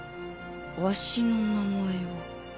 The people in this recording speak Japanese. わしの名前を。